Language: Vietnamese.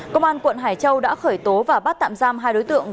công an quận hải châu đã khởi tố và bắt tạm giam hai đối tượng